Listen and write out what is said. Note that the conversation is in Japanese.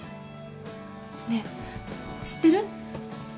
ねえ知ってる？